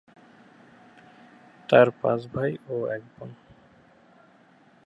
তার পাঁচ ভাই ও এক বোন।